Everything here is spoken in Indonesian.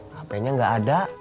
hpnya gak ada